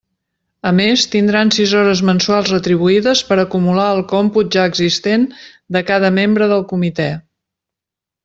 A més, tindran sis hores mensuals retribuïdes per acumular al còmput ja existent de cada membre del comitè.